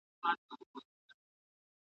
پلان د ښوونکي له خوا منظميږي!.